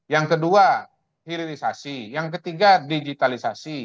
yang kedua hilirisasi yang ketiga digitalisasi